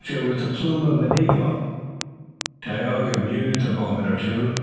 It was the plume of an eagle." Tayoga mused a moment or two.